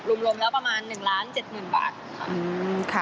รวมแล้วประมาณ๑ล้าน๗๐๐บาทค่ะ